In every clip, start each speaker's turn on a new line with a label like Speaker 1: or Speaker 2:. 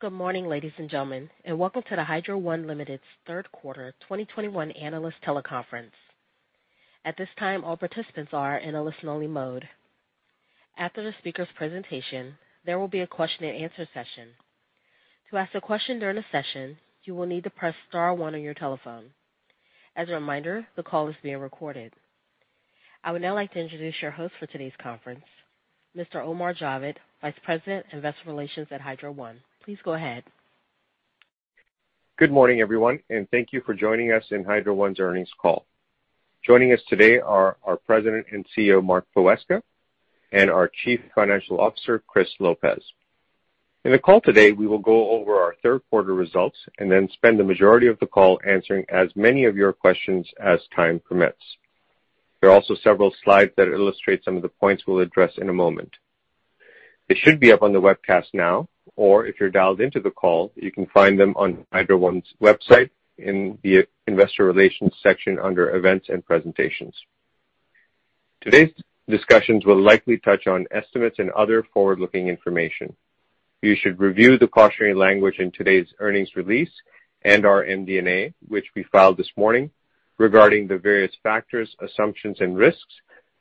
Speaker 1: Good morning, ladies and gentlemen, and welcome to the Hydro One Limited's third quarter 2021 analyst teleconference. At this time, all participants are in a listen-only mode. After the speaker's presentation, there will be a question and answer session. To ask a question during the session, you will need to press star one on your telephone. As a reminder, the call is being recorded. I would now like to introduce your host for today's conference, Mr. Omar Javed, Vice President, Investor Relations at Hydro One. Please go ahead.
Speaker 2: Good morning, everyone, and thank you for joining us in Hydro One's earnings call. Joining us today are our President and CEO, Mark Poweska, and our Chief Financial Officer, Chris Lopez. In the call today, we will go over our third quarter results and then spend the majority of the call answering as many of your questions as time permits. There are also several slides that illustrate some of the points we'll address in a moment. They should be up on the webcast now, or if you're dialed into the call, you can find them on Hydro One's website in the investor relations section under events and presentations. Today's discussions will likely touch on estimates and other forward-looking information. You should review the cautionary language in today's earnings release and our MD&A, which we filed this morning, regarding the various factors, assumptions and risks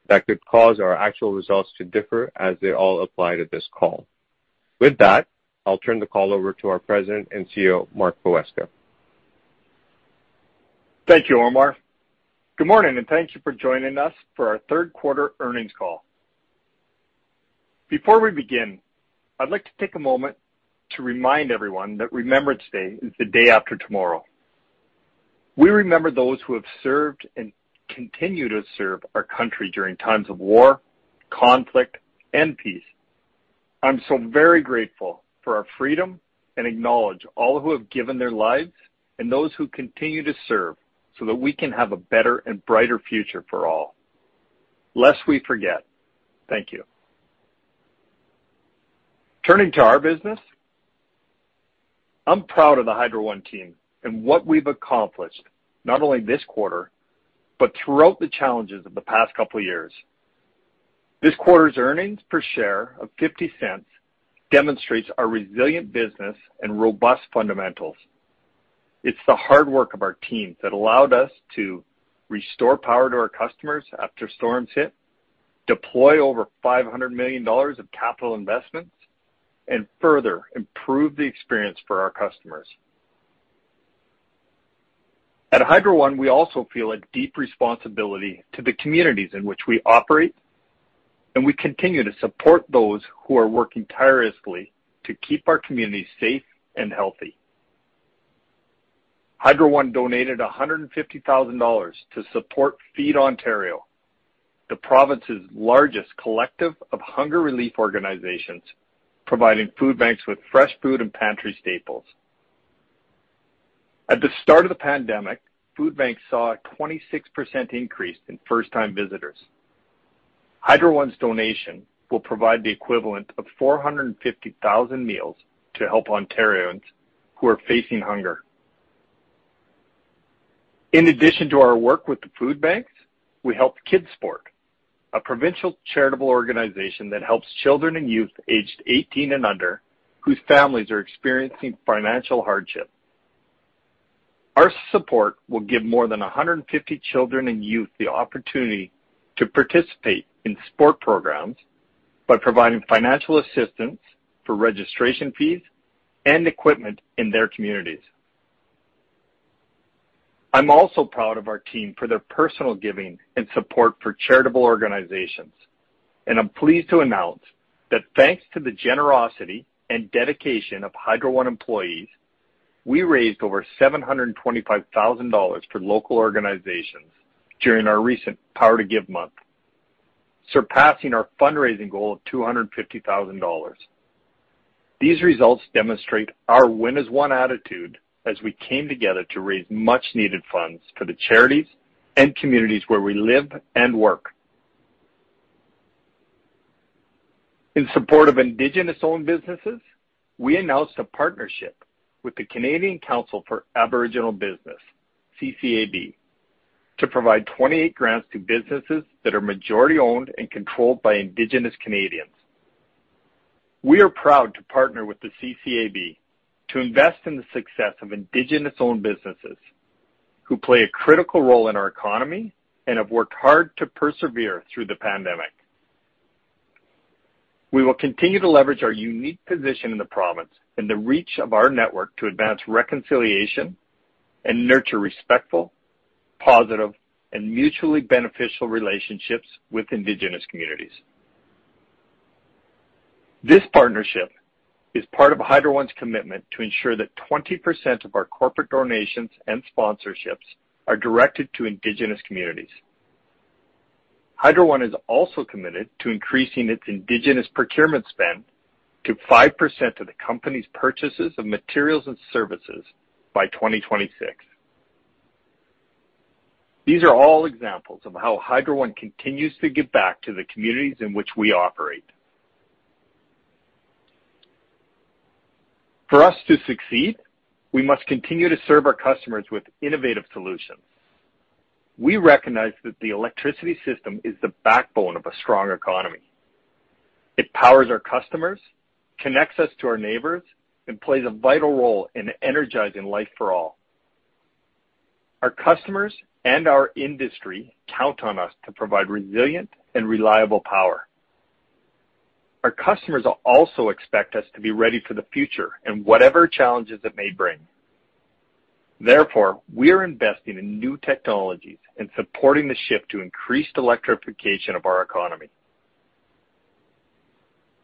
Speaker 2: that could cause our actual results to differ as they all apply to this call. With that, I'll turn the call over to our President and CEO, Mark Poweska.
Speaker 3: Thank you, Omar. Good morning, and thank you for joining us for our third-quarter earnings call. Before we begin, I'd like to take a moment to remind everyone that Remembrance Day is the day after tomorrow. We remember those who have served and continue to serve our country during times of war, conflict, and peace. I'm so very grateful for our freedom and acknowledge all who have given their lives and those who continue to serve so that we can have a better and brighter future for all. Lest we forget. Thank you. Turning to our business, I'm proud of the Hydro One team and what we've accomplished not only this quarter, but throughout the challenges of the past couple of years. This quarter's earnings per share of 0.50 demonstrates our resilient business and robust fundamentals. It's the hard work of our team that allowed us to restore power to our customers after storms hit, deploy over 500 million dollars of capital investments, and further improve the experience for our customers. At Hydro One, we also feel a deep responsibility to the communities in which we operate, and we continue to support those who are working tirelessly to keep our communities safe and healthy. Hydro One donated 150,000 dollars to support Feed Ontario, the province's largest collective of hunger relief organizations, providing food banks with fresh food and pantry staples. At the start of the pandemic, food banks saw a 26% increase in first-time visitors. Hydro One's donation will provide the equivalent of 450,000 meals to help Ontarians who are facing hunger. In addition to our work with the food banks, we helped KidSport, a provincial charitable organization that helps children and youth aged 18 and under whose families are experiencing financial hardship. Our support will give more than 150 children and youth the opportunity to participate in sport programs by providing financial assistance for registration fees and equipment in their communities. I'm also proud of our team for their personal giving and support for charitable organizations, and I'm pleased to announce that thanks to the generosity and dedication of Hydro One employees, we raised over 725 thousand dollars for local organizations during our recent Power to Give month, surpassing our fundraising goal of 250 thousand dollars. These results demonstrate our win-as-one attitude as we came together to raise much-needed funds for the charities and communities where we live and work. In support of Indigenous-owned businesses, we announced a partnership with the Canadian Council for Aboriginal Business, CCAB, to provide 28 grants to businesses that are majority-owned and controlled by Indigenous Canadians. We are proud to partner with the CCAB to invest in the success of Indigenous-owned businesses who play a critical role in our economy and have worked hard to persevere through the pandemic. We will continue to leverage our unique position in the province and the reach of our network to advance reconciliation and nurture respectful, positive, and mutually beneficial relationships with Indigenous communities. This partnership is part of Hydro One's commitment to ensure that 20% of our corporate donations and sponsorships are directed to Indigenous communities. Hydro One is also committed to increasing its Indigenous procurement spend to 5% of the company's purchases of materials and services by 2026. These are all examples of how Hydro One continues to give back to the communities in which we operate. For us to succeed, we must continue to serve our customers with innovative solutions. We recognize that the electricity system is the backbone of a strong economy. It powers our customers, connects us to our neighbors, and plays a vital role in energizing life for all. Our customers and our industry count on us to provide resilient and reliable power. Our customers also expect us to be ready for the future and whatever challenges it may bring. Therefore, we are investing in new technologies and supporting the shift to increased electrification of our economy.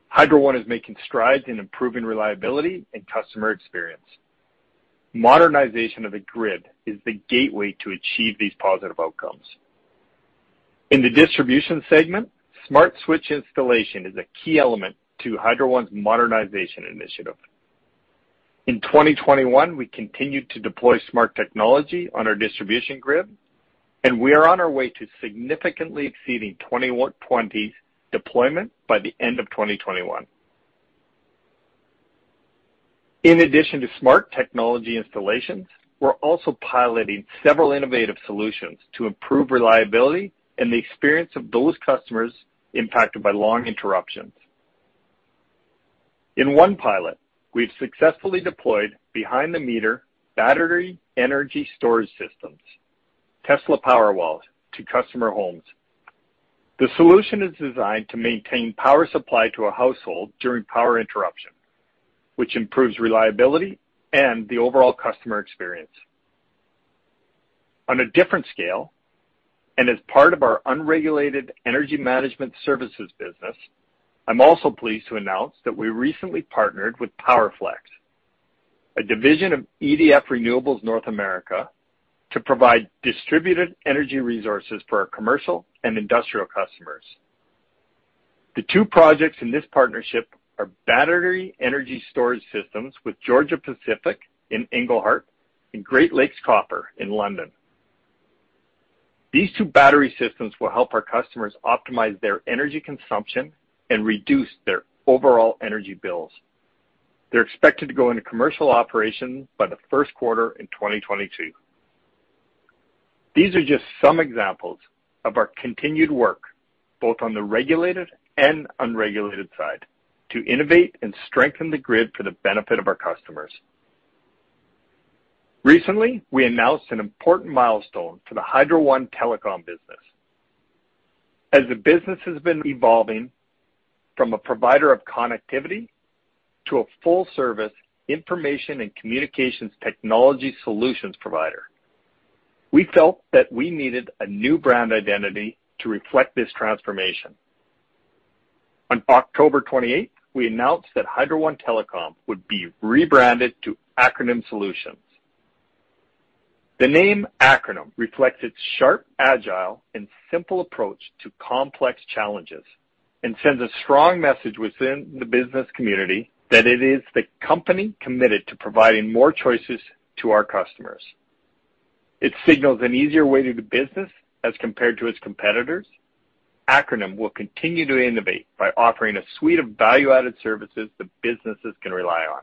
Speaker 3: Hydro One is making strides in improving reliability and customer experience. Modernization of the grid is the gateway to achieve these positive outcomes. In the Distribution segment, smart switch installation is a key element to Hydro One's modernization initiative. In 2021, we continued to deploy smart technology on our distribution grid, and we are on our way to significantly exceeding 2020's deployment by the end of 2021. In addition to smart technology installations, we're also piloting several innovative solutions to improve reliability and the experience of those customers impacted by long interruptions. In one pilot, we've successfully deployed behind-the-meter battery energy storage systems, Tesla Powerwall, to customer homes. The solution is designed to maintain power supply to a household during power interruption, which improves reliability and the overall customer experience. On a different scale, as part of our unregulated energy management services business, I'm also pleased to announce that we recently partnered with PowerFlex, a division of EDF Renewables North America, to provide distributed energy resources for our commercial and industrial customers. The two projects in this partnership are battery energy storage systems with Georgia-Pacific in Englehart and Great Lakes Copper in London. These two battery systems will help our customers optimize their energy consumption and reduce their overall energy bills. They're expected to go into commercial operation by the first quarter of 2022. These are just some examples of our continued work, both on the regulated and unregulated side, to innovate and strengthen the grid for the benefit of our customers. Recently, we announced an important milestone to the Hydro One Telecom business. As the business has been evolving from a provider of connectivity to a full-service information and communications technology solutions provider, we felt that we needed a new brand identity to reflect this transformation. On October 28, we announced that Hydro One Telecom would be rebranded to Acronym Solutions. The name Acronym reflects its sharp, agile, and simple approach to complex challenges and sends a strong message within the business community that it is the company committed to providing more choices to our customers. It signals an easier way to do business as compared to its competitors. Acronym will continue to innovate by offering a suite of value-added services that businesses can rely on.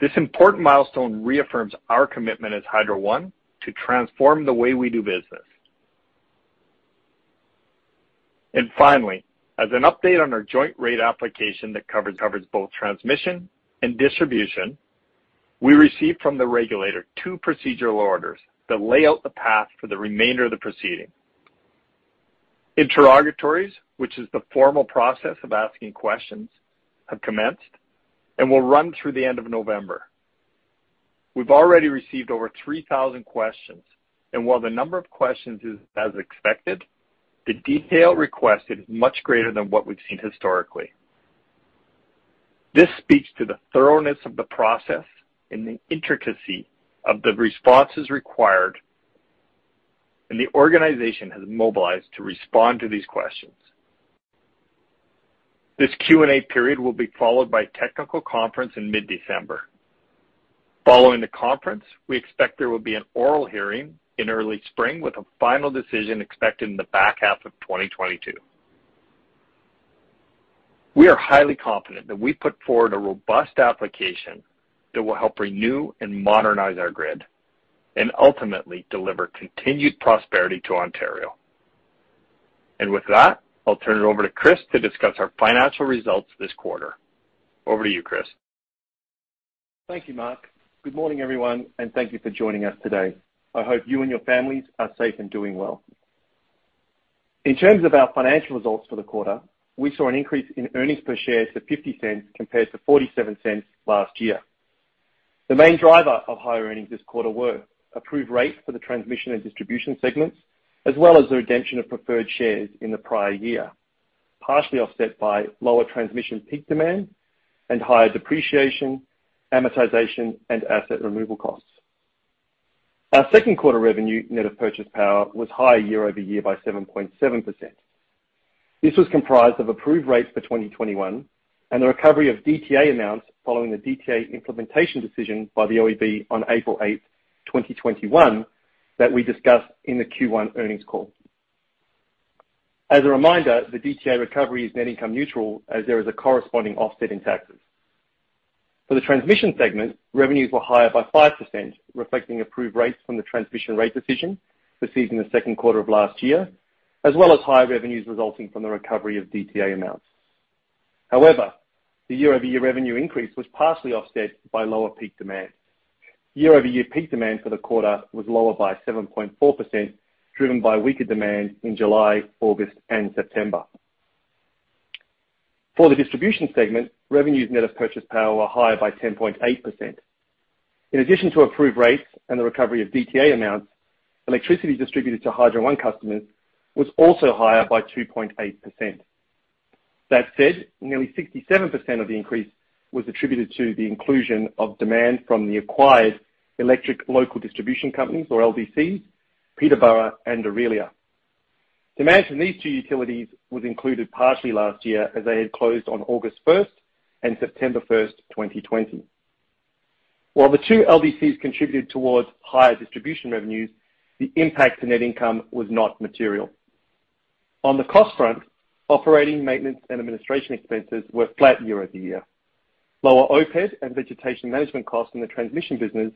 Speaker 3: This important milestone reaffirms our commitment as Hydro One to transform the way we do business. Finally, as an update on our joint rate application that covers both transmission and distribution, we received from the regulator two procedural orders that lay out the path for the remainder of the proceeding. Interrogatories, which is the formal process of asking questions, have commenced and will run through the end of November. We've already received over 3,000 questions, and while the number of questions is as expected, the detail requested is much greater than what we've seen historically. This speaks to the thoroughness of the process and the intricacy of the responses required, and the organization has mobilized to respond to these questions. This Q&A period will be followed by a technical conference in mid-December. Following the conference, we expect there will be an oral hearing in early spring, with a final decision expected in the back half of 2022. We are highly confident that we put forward a robust application that will help renew and modernize our grid and ultimately deliver continued prosperity to Ontario. With that, I'll turn it over to Chris to discuss our financial results this quarter. Over to you, Chris.
Speaker 4: Thank you, Mark. Good morning, everyone, and thank you for joining us today. I hope you and your families are safe and doing well. In terms of our financial results for the quarter, we saw an increase in earnings per share to 0.50 compared to 0.47 last year. The main driver of higher earnings this quarter were approved rates for the transmission and distribution segments, as well as the redemption of preferred shares in the prior year, partially offset by lower transmission peak demand and higher depreciation, amortization, and asset removal costs. Our second quarter revenue net of purchased power was higher year-over-year by 7.7%. This was comprised of approved rates for 2021 and the recovery of DTA amounts following the DTA implementation decision by the OEB on April 8, 2021 that we discussed in the Q1 earnings call. As a reminder, the DTA recovery is net income neutral as there is a corresponding offset in taxes. For the transmission segment, revenues were higher by 5%, reflecting approved rates from the transmission rate decision received in the second quarter of last year, as well as higher revenues resulting from the recovery of DTA amounts. However, the year-over-year revenue increase was partially offset by lower peak demand. Year-over-year peak demand for the quarter was lower by 7.4%, driven by weaker demand in July, August, and September. For the distribution segment, revenues net of purchased power were higher by 10.8%. In addition to approved rates and the recovery of DTA amounts, electricity distributed to Hydro One customers was also higher by 2.8%. That said, nearly 67% of the increase was attributed to the inclusion of demand from the acquired electric local distribution companies or LDCs, Peterborough and Orillia. Demand from these two utilities was included partially last year as they had closed on August one and September 1, 2020. While the two LDCs contributed towards higher distribution revenues, the impact to net income was not material. On the cost front, operating maintenance and administration expenses were flat year-over-year. Lower OPEX and vegetation management costs in the transmission business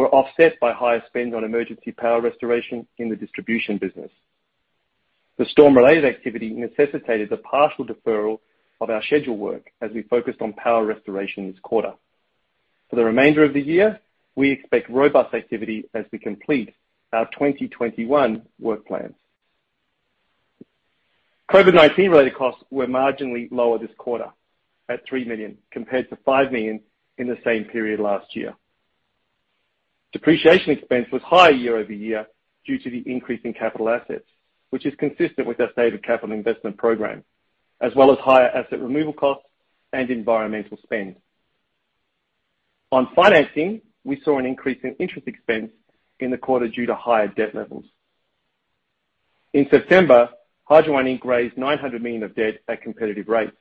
Speaker 4: were offset by higher spend on emergency power restoration in the distribution business. The storm-related activity necessitated the partial deferral of our scheduled work as we focused on power restoration this quarter. For the remainder of the year, we expect robust activity as we complete our 2021 work plans. COVID-19-related costs were marginally lower this quarter at 3 million compared to 5 million in the same period last year. Depreciation expense was higher year-over-year due to the increase in capital assets, which is consistent with our stated capital investment program, as well as higher asset removal costs and environmental spend. On financing, we saw an increase in interest expense in the quarter due to higher debt levels. In September, Hydro One Inc. raised CAD 900 million of debt at competitive rates.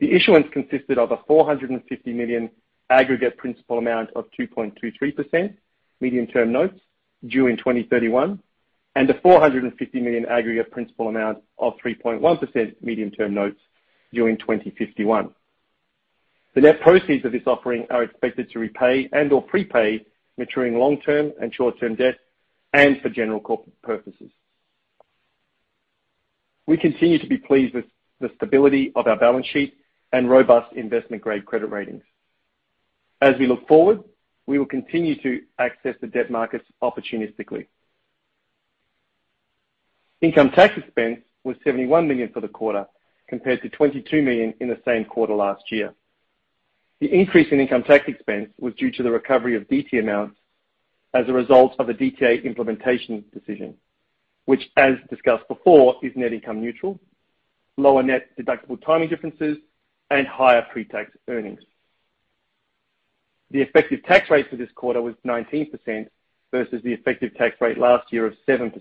Speaker 4: The issuance consisted of a CAD 450 million aggregate principal amount of 2.23% Medium-Term Notes due in 2031, and a 450 million aggregate principal amount of 3.1% Medium-Term Notes due in 2051. The net proceeds of this offering are expected to repay and/or prepay maturing long-term and short-term debt and for general corporate purposes. We continue to be pleased with the stability of our balance sheet and robust investment-grade credit ratings. As we look forward, we will continue to access the debt markets opportunistically. Income tax expense was 71 million for the quarter, compared to 22 million in the same quarter last year. The increase in income tax expense was due to the recovery of DT amounts as a result of a DTA implementation decision, which as discussed before, is net income neutral, lower net deductible timing differences, and higher pre-tax earnings. The effective tax rate for this quarter was 19% versus the effective tax rate last year of 7%.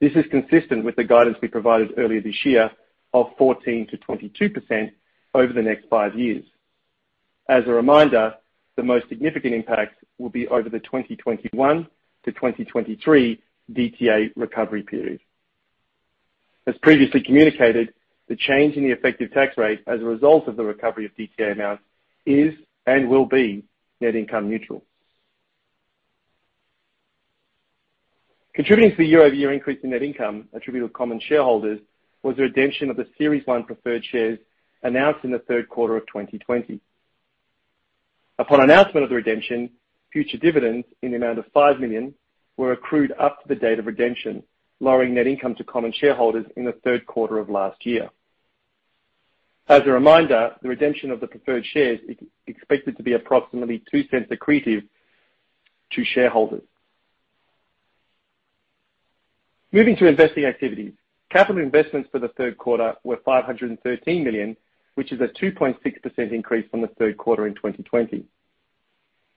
Speaker 4: This is consistent with the guidance we provided earlier this year of 14%-22% over the next five years. As a reminder, the most significant impact will be over the 2021-2023 DTA recovery period. As previously communicated, the change in the effective tax rate as a result of the recovery of DTA amounts is and will be net income neutral. Contributing to the year-over-year increase in net income attributable to common shareholders was the redemption of the Series 1 Preferred Shares announced in the third quarter of 2020. Upon announcement of the redemption, future dividends in the amount of 5 million were accrued up to the date of redemption, lowering net income to common shareholders in the third quarter of last year. As a reminder, the redemption of the preferred shares is expected to be approximately 0.02 accretive to shareholders. Moving to investing activity. Capital investments for the third quarter were 513 million, which is a 2.6% increase from the third quarter in 2020.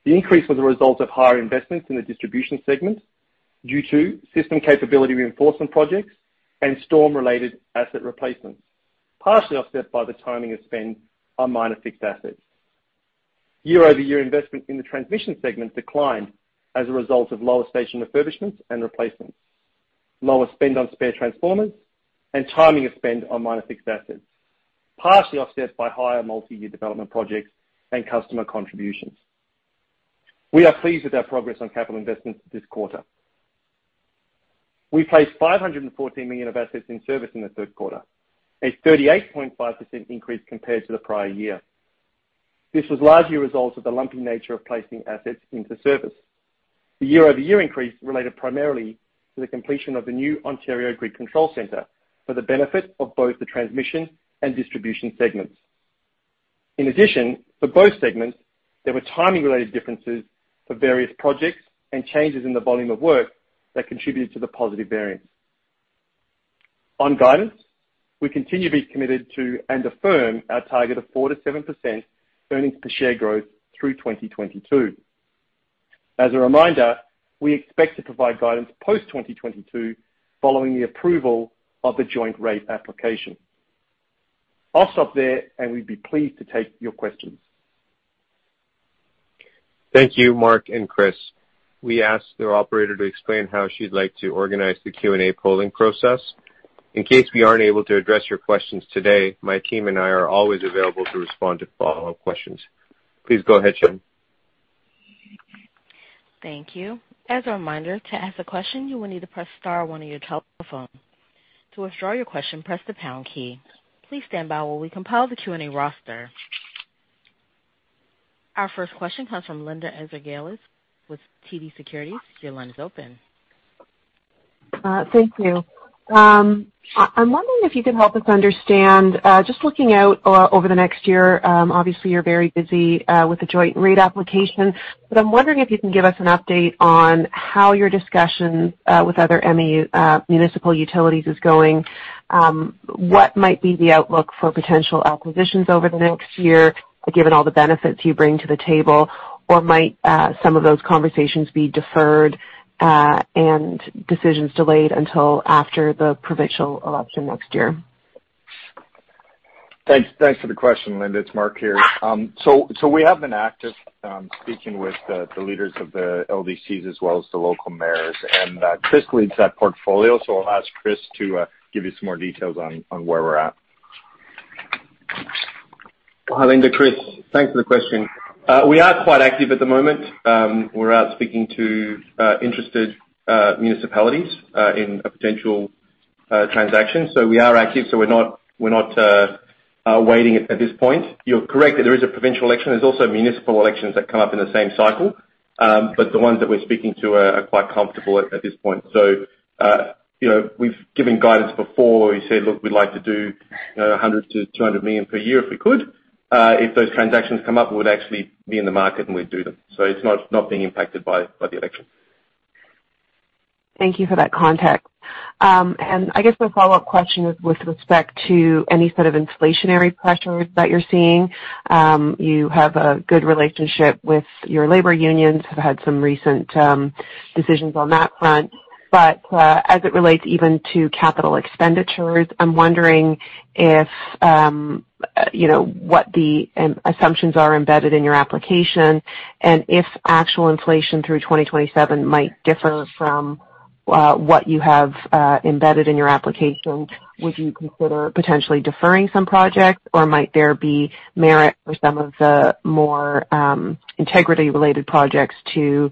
Speaker 4: The increase was a result of higher investments in the Distribution segment due to system capability reinforcement projects and storm-related asset replacements, partially offset by the timing of spend on minor fixed assets. Year-over-year investment in the Transmission segment declined as a result of lower station refurbishments and replacements, lower spend on spare transformers, and timing of spend on minor fixed assets, partially offset by higher multi-year development projects and customer contributions. We are pleased with our progress on capital investments this quarter. We placed 514 million of assets in service in the third quarter, a 38.5% increase compared to the prior year. This was largely a result of the lumpy nature of placing assets into service. The year-over-year increase related primarily to the completion of the new Ontario Grid Control Center for the benefit of both the transmission and distribution segments. In addition, for both segments, there were timing-related differences for various projects and changes in the volume of work that contributed to the positive variance. On guidance, we continue to be committed to and affirm our target of 4%-7% earnings per share growth through 2022. As a reminder, we expect to provide guidance post-2022 following the approval of the joint rate application. I'll stop there, and we'd be pleased to take your questions.
Speaker 2: Thank you, Mark and Chris. We asked the operator to explain how she'd like to organize the Q&A polling process. In case we aren't able to address your questions today, my team and I are always available to respond to follow-up questions. Please go ahead, Sharon.
Speaker 1: Thank you. As a reminder, to ask a question, you will need to press star one on your telephone. To withdraw your question, press the pound key. Please stand by while we compile the Q&A roster. Our first question comes from Linda Ezergailis with TD Securities. Your line is open.
Speaker 5: Thank you. I'm wondering if you could help us understand, just looking out over the next year, obviously you're very busy, with the joint rate application, but I'm wondering if you can give us an update on how your discussions, with other MU, municipal utilities is going. What might be the outlook for potential acquisitions over the next year, given all the benefits you bring to the table? Or might some of those conversations be deferred, and decisions delayed until after the provincial election next year?
Speaker 3: Thanks for the question, Linda. It's Mark here. So we have been active speaking with the leaders of the LDCs as well as the local mayors. Chris leads that portfolio. I'll ask Chris to give you some more details on where we're at.
Speaker 4: Hi, Linda. Chris, thanks for the question. We are quite active at the moment. We're out speaking to interested municipalities in a potential transaction. We are active, so we're not waiting at this point. You're correct that there is a provincial election. There's also municipal elections that come up in the same cycle. The ones that we're speaking to are quite comfortable at this point. You know, we've given guidance before. We said, "Look, we'd like to do, you know, 100 million-200 million per year if we could." If those transactions come up, we would actually be in the market and we'd do them. It's not being impacted by the election.
Speaker 5: Thank you for that context. I guess my follow-up question is with respect to any sort of inflationary pressures that you're seeing. You have a good relationship with your labor unions, have had some recent decisions on that front. As it relates even to capital expenditures, I'm wondering if, you know, what the assumptions are embedded in your application. If actual inflation through 2027 might differ from what you have embedded in your application, would you consider potentially deferring some projects? Or might there be merit for some of the more integrity-related projects to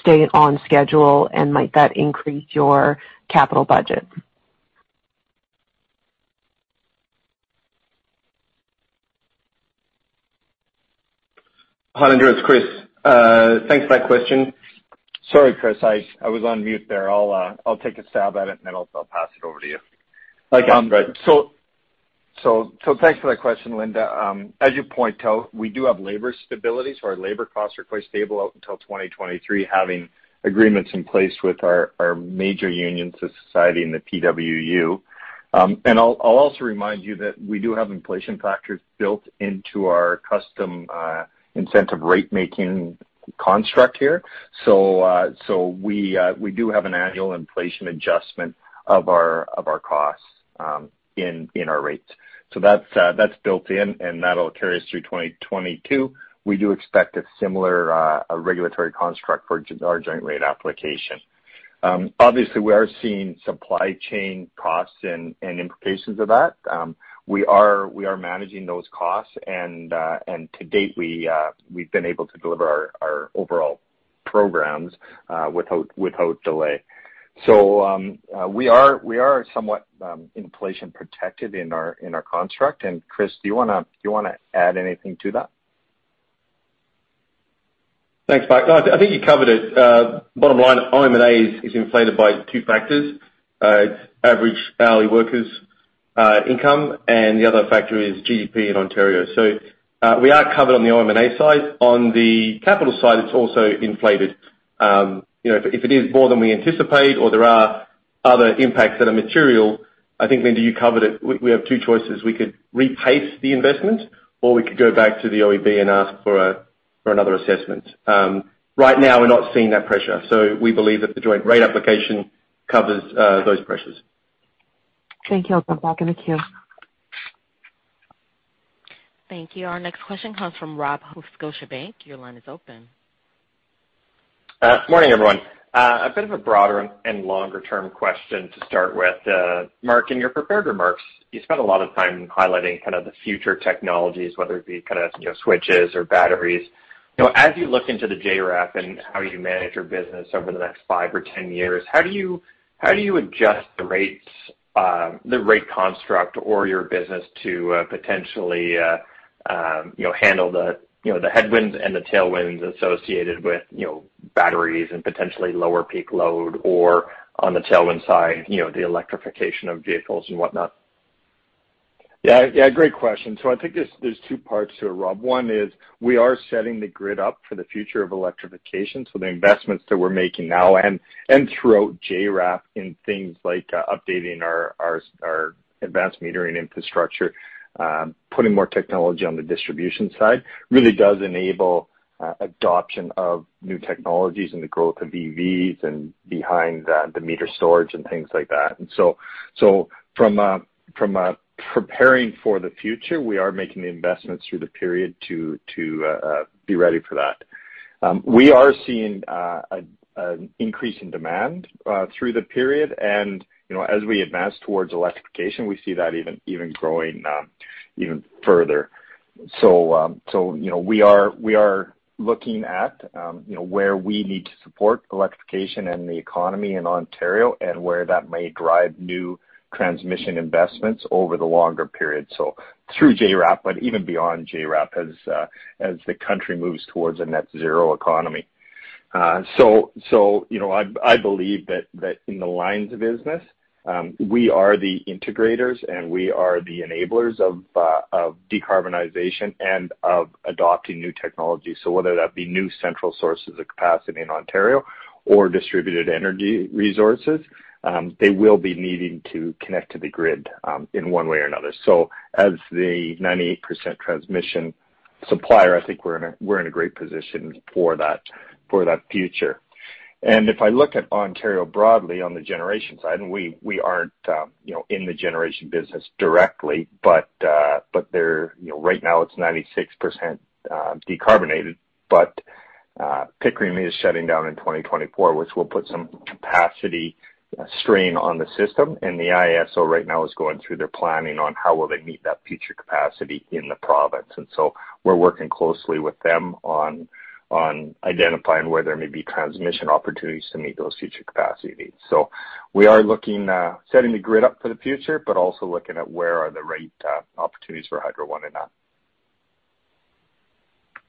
Speaker 5: stay on schedule? Might that increase your capital budget?
Speaker 4: Hi, Linda. It's Chris. Thanks for that question.
Speaker 3: Sorry, Chris. I was on mute there. I'll take a stab at it and then also I'll pass it over to you.
Speaker 4: Okay. Great.
Speaker 3: Thanks for that question, Linda. As you point out, we do have labor stability, so our labor costs are quite stable out until 2023 having agreements in place with our major unions, the Society and the PWU. I'll also remind you that we do have inflation factors built into our custom incentive rate-making construct here. We do have an annual inflation adjustment of our costs in our rates. That's built in and that'll carry us through 2022. We do expect a similar regulatory construct for our joint rate application. Obviously we are seeing supply chain costs and implications of that. We are managing those costs and to date, we've been able to deliver our overall programs without delay. So, we are somewhat inflation protected in our construct. Chris, do you wanna add anything to that?
Speaker 4: Thanks, Mark. No, I think you covered it. Bottom line, OM&A is inflated by two factors. It's average hourly workers' income, and the other factor is GDP in Ontario. We are covered on the OM&A side. On the capital side, it's also inflated. You know, if it is more than we anticipate or there are other impacts that are material, I think, Linda, you covered it. We have two choices. We could replace the investment, or we could go back to the OEB and ask for another assessment. Right now we're not seeing that pressure, so we believe that the joint rate application covers those pressures.
Speaker 5: Thank you. I'll jump back in the queue.
Speaker 1: Thank you. Our next question comes from Rob with Scotiabank. Your line is open.
Speaker 6: Morning, everyone. A bit of a broader and longer-term question to start with. Mark, in your prepared remarks, you spent a lot of time highlighting kind of the future technologies, whether it be kind of, you know, switches or batteries. You know, as you look into the JRAP and how you manage your business over the next five or 10 years, how do you adjust the rates, the rate construct or your business to potentially, you know, handle the, you know, the headwinds and the tailwinds associated with, you know, batteries and potentially lower peak load or on the tailwind side, you know, the electrification of vehicles and whatnot?
Speaker 3: Yeah, great question. I think there's two parts to it, Rob. One is we are setting the grid up for the future of electrification. The investments that we're making now and throughout JRAP in things like updating our advanced metering infrastructure, putting more technology on the distribution side really does enable adoption of new technologies and the growth of EVs and behind-the-meter storage and things like that. From a preparing for the future, we are making the investments through the period to be ready for that. We are seeing an increase in demand through the period and, you know, as we advance towards electrification, we see that even growing even further. You know, we are looking at you know, where we need to support electrification and the economy in Ontario and where that may drive new transmission investments over the longer period. Through JRAP, but even beyond JRAP as the country moves towards a net zero economy. You know, I believe that in the lines of business, we are the integrators, and we are the enablers of of decarbonization and of adopting new technology. Whether that be new central sources of capacity in Ontario or distributed energy resources, they will be needing to connect to the grid in one way or another. As the 98% transmission supplier, I think we're in a great position for that future. If I look at Ontario broadly on the generation side, we aren't, you know, in the generation business directly, but they're, you know, right now it's 96% decarbonized. Pickering is shutting down in 2024, which will put some capacity strain on the system. The IESO right now is going through their planning on how they will meet that future capacity in the province. We're working closely with them on identifying where there may be transmission opportunities to meet those future capacity needs. We are looking setting the grid up for the future, but also looking at where are the right opportunities for Hydro One in that.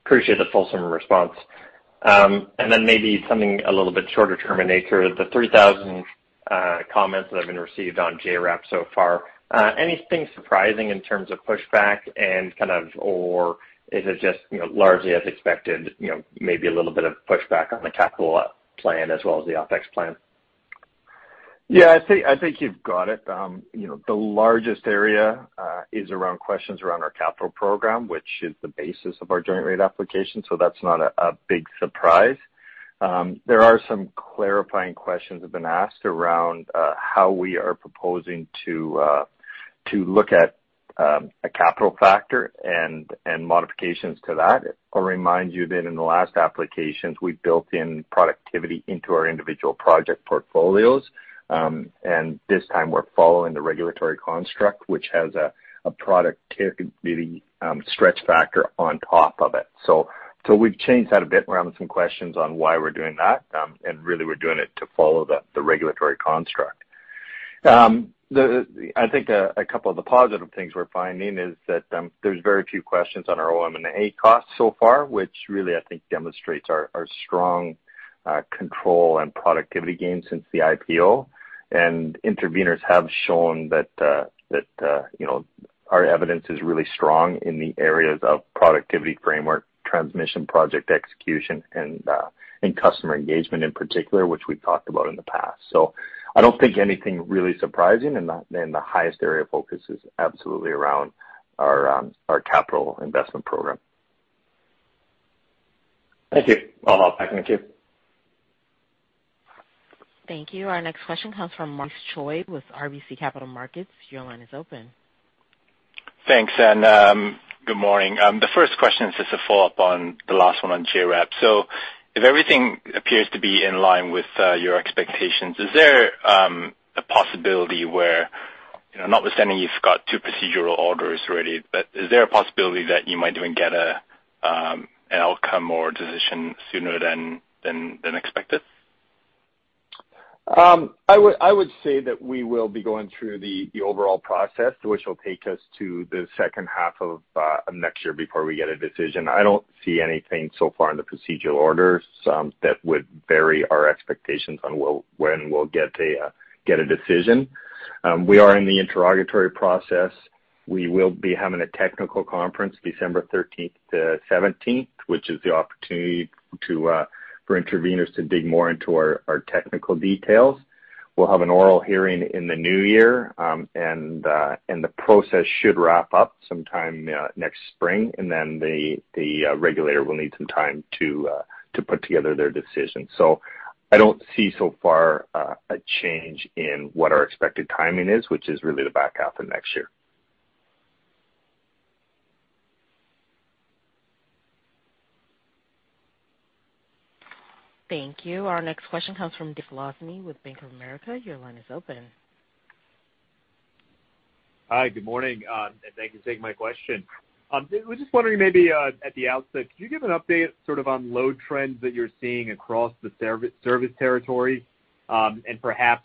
Speaker 6: Appreciate the fulsome response. Maybe something a little bit shorter term in nature. The 3,000 comments that have been received on JRAP so far, anything surprising in terms of pushback and kind of or is it just, you know, largely as expected, you know, maybe a little bit of pushback on the capital plan as well as the OpEx plan?
Speaker 3: Yeah, I think you've got it. You know, the largest area is around questions around our capital program, which is the basis of our joint rate application. That's not a big surprise. There are some clarifying questions have been asked around how we are proposing to look at a capital factor and modifications to that. I'll remind you that in the last applications, we built in productivity into our individual project portfolios. This time we're following the regulatory construct, which has a productivity stretch factor on top of it. We've changed that a bit. We're having some questions on why we're doing that, and really we're doing it to follow the regulatory construct. I think a couple of the positive things we're finding is that there's very few questions on our OM&A costs so far, which really, I think demonstrates our strong control and productivity gains since the IPO. Interveners have shown that you know, our evidence is really strong in the areas of productivity framework, transmission, project execution, and customer engagement in particular, which we've talked about in the past. I don't think anything really surprising and the highest area of focus is absolutely around our capital investment program.
Speaker 6: Thank you. I'll hop back in the queue.
Speaker 1: Thank you. Our next question comes from Maurice Choy with RBC Capital Markets. Your line is open.
Speaker 7: Thanks, good morning. The first question is just a follow-up on the last one on JRAP. If everything appears to be in line with your expectations, is there a possibility where, you know, notwithstanding you've got two procedural orders already, but is there a possibility that you might even get an outcome or decision sooner than expected?
Speaker 3: I would say that we will be going through the overall process, which will take us to the second half of next year before we get a decision. I don't see anything so far in the procedural orders that would vary our expectations on when we'll get a decision. We are in the interrogatory process. We will be having a technical conference December 13-17, which is the opportunity for interveners to dig more into our technical details. We'll have an oral hearing in the new year. The process should wrap up sometime next spring. The regulator will need some time to put together their decision. I don't see so far a change in what our expected timing is, which is really the back half of next year.
Speaker 1: Thank you. Our next question comes from Dariusz Lozny with Bank of America. Your line is open.
Speaker 8: Hi, good morning, and thank you for taking my question. Was just wondering maybe, at the outset, could you give an update sort of on load trends that you're seeing across the service territory, and perhaps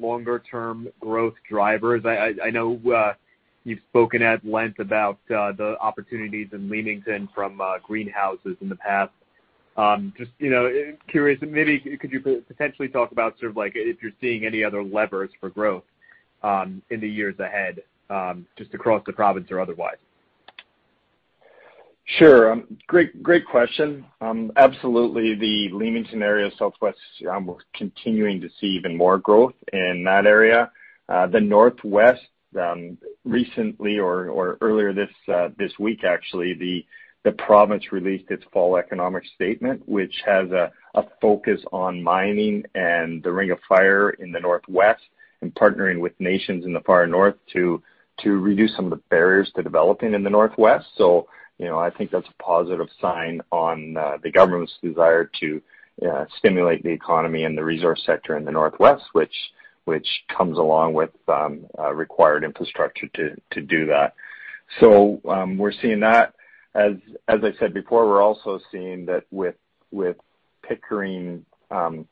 Speaker 8: longer term growth drivers? I know you've spoken at length about the opportunities and learnings in from greenhouses in the past. Just, you know, curious, maybe could you potentially talk about sort of like if you're seeing any other levers for growth in the years ahead, just across the province or otherwise?
Speaker 3: Sure. Great question. Absolutely. The Leamington area, southwest, we're continuing to see even more growth in that area. The Northwest, recently or earlier this week, actually, the province released its fall economic statement, which has a focus on mining and the Ring of Fire in the Northwest and partnering with nations in the far north to reduce some of the barriers to developing in the Northwest. You know, I think that's a positive sign on the government's desire to stimulate the economy and the resource sector in the Northwest, which comes along with a required infrastructure to do that. We're seeing that. As I said before, we're also seeing that with Pickering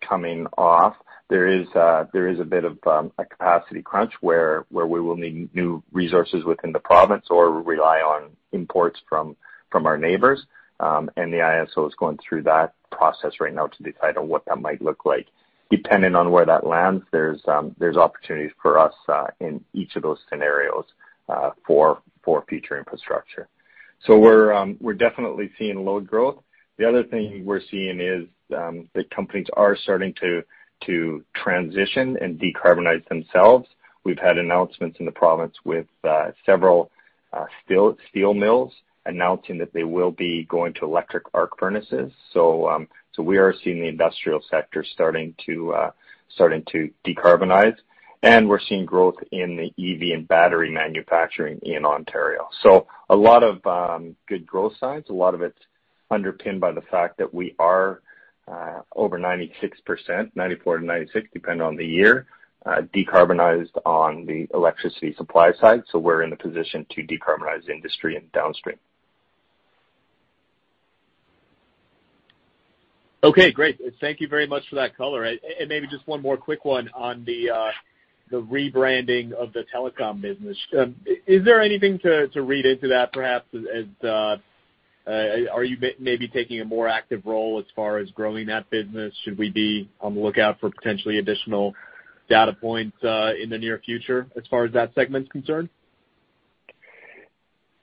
Speaker 3: coming off, there is a bit of a capacity crunch where we will need new resources within the province or rely on imports from our neighbors. The IESO is going through that process right now to decide on what that might look like. Depending on where that lands, there's opportunities for us in each of those scenarios for future infrastructure. We're definitely seeing load growth. The other thing we're seeing is that companies are starting to transition and decarbonize themselves. We've had announcements in the province with several steel mills announcing that they will be going to electric arc furnaces. We are seeing the industrial sector starting to decarbonize. We're seeing growth in the EV and battery manufacturing in Ontario. A lot of good growth signs. A lot of it's underpinned by the fact that we are over 96%, 94%-96%, depending on the year, decarbonized on the electricity supply side. We're in a position to decarbonize industry and downstream.
Speaker 8: Okay, great. Thank you very much for that color. Maybe just one more quick one on the rebranding of the telecom business. Is there anything to read into that, perhaps as? Are you maybe taking a more active role as far as growing that business? Should we be on the lookout for potentially additional data points in the near future as far as that segment's concerned?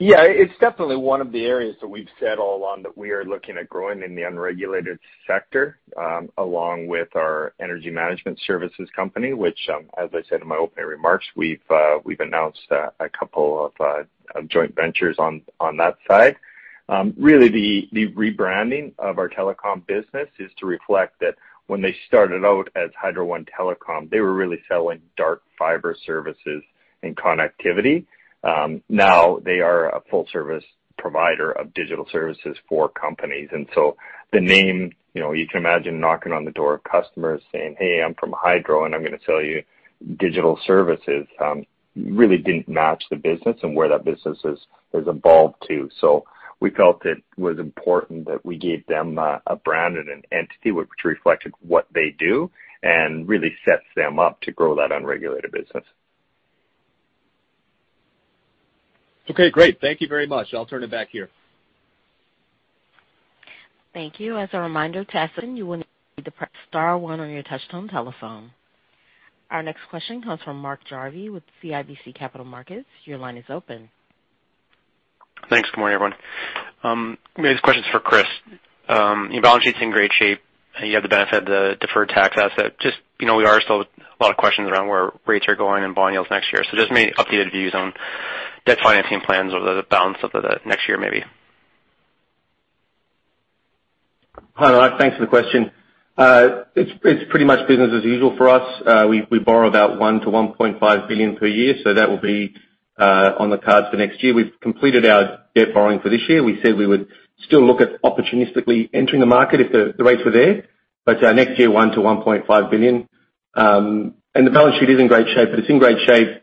Speaker 3: Yeah. It's definitely one of the areas that we've said all along that we are looking at growing in the unregulated sector, along with our energy management services company, which, as I said in my opening remarks, we've announced a couple of joint ventures on that side. Really the rebranding of our telecom business is to reflect that when they started out as Hydro One Telecom, they were really selling dark fiber services and connectivity. Now they are a full service provider of digital services for companies. The name, you know, you can imagine knocking on the door of customers saying, "Hey, I'm from Hydro, and I'm gonna sell you digital services," really didn't match the business and where that business has evolved to. We felt it was important that we gave them a brand and an entity which reflected what they do and really sets them up to grow that unregulated business.
Speaker 8: Okay, great. Thank you very much. I'll turn it back here.
Speaker 1: Thank you. As a reminder to ask then, you will need to press star one on your touchtone telephone. Our next question comes from Mark Jarvi with CIBC Capital Markets. Your line is open.
Speaker 9: Thanks. Good morning, everyone. This question is for Chris. Your balance sheet's in great shape, and you have the benefit of the deferred tax asset. Just, you know, we still have a lot of questions around where rates are going and bond yields next year. Just maybe updated views on debt financing plans over the balance of the next year, maybe.
Speaker 4: Hi, Mark. Thanks for the question. It's pretty much business as usual for us. We borrow about 1 billion-1.5 billion per year, so that will be on the cards for next year. We've completed our debt borrowing for this year. We said we would still look at opportunistically entering the market if the rates were there. Next year, 1 billion-1.5 billion. The balance sheet is in great shape, but it's in great shape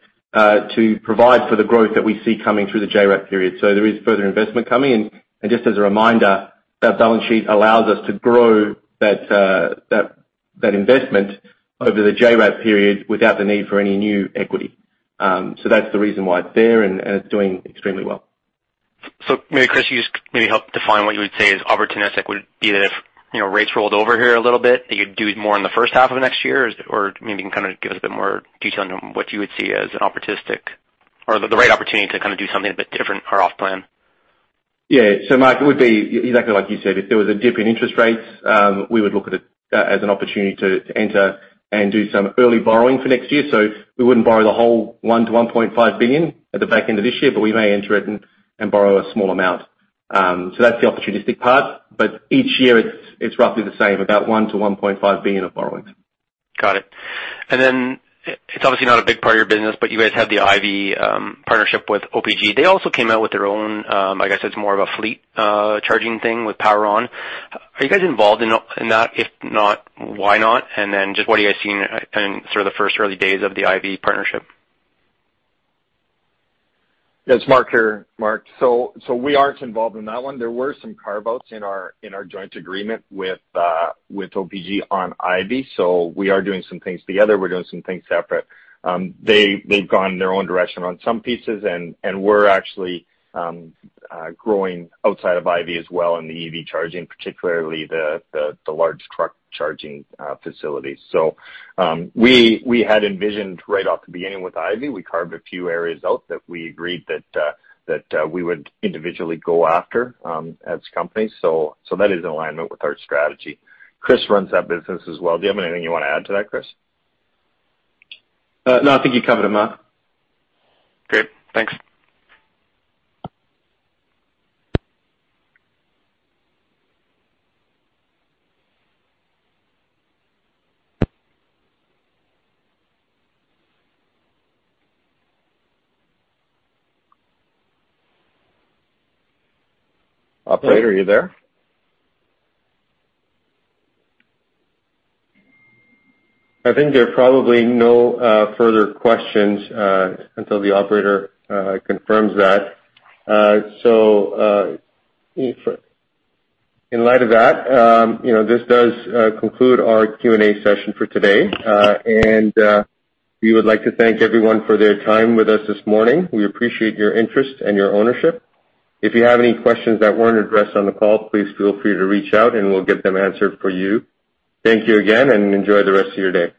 Speaker 4: to provide for the growth that we see coming through the JRAP period. There is further investment coming. Just as a reminder, that balance sheet allows us to grow that investment over the JRAP period without the need for any new equity. That's the reason why it's there, and it's doing extremely well.
Speaker 9: Maybe, Chris, you just maybe help define what you would say is opportunistic. Would it be that if, you know, rates rolled over here a little bit, that you'd do more in the first half of next year? Or maybe you can kind of give us a bit more detail on what you would see as an opportunistic or the right opportunity to kind of do something a bit different or off plan.
Speaker 4: Yeah. Mark, it would be exactly like you said. If there was a dip in interest rates, we would look at it as an opportunity to enter and do some early borrowing for next year. We wouldn't borrow the whole 1 billion-1.5 billion at the back end of this year, but we may enter it and borrow a small amount. That's the opportunistic part. Each year it's roughly the same, about 1 billion-1.5 billion of borrowings.
Speaker 9: Got it. It’s obviously not a big part of your business, but you guys have the Ivy partnership with OPG. They also came out with their own. I guess it’s more of a fleet charging thing with PowerON. Are you guys involved in that? If not, why not? Just what are you guys seeing in sort of the first early days of the Ivy partnership?
Speaker 3: Yes. Mark here, Mark. We aren't involved in that one. There were some carve-outs in our joint agreement with OPG on Ivy. We are doing some things together. We're doing some things separate. They've gone their own direction on some pieces, and we're actually growing outside of Ivy as well in the EV charging, particularly the large truck charging facilities. We had envisioned right off the beginning with Ivy, we carved a few areas out that we agreed that we would individually go after as companies. That is in alignment with our strategy. Chris runs that business as well. Do you have anything you wanna add to that, Chris?
Speaker 4: No. I think you covered them, Mark.
Speaker 9: Great. Thanks.
Speaker 3: Operator, are you there?
Speaker 2: I think there are probably no further questions until the operator confirms that. In light of that, you know, this does conclude our Q&A session for today. We would like to thank everyone for their time with us this morning. We appreciate your interest and your ownership. If you have any questions that weren't addressed on the call, please feel free to reach out, and we'll get them answered for you. Thank you again, and enjoy the rest of your day.